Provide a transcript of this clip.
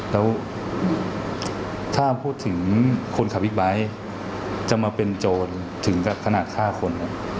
แล้วถ้าพูดถึงคนขับบิ๊กไบท์จะมาเป็นโจรถึงกับขนาดฆ่าคน